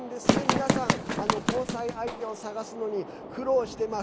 皆さん交際相手を探すのに苦労しています。